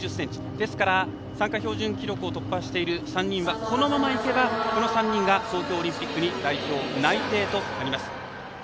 ですから参加標準記録を突破している３人はこのままいけばこの３人が東京オリンピックに代表内定となります。